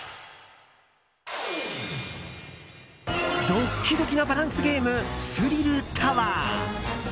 ドッキドキなバランスゲームスリルタワー！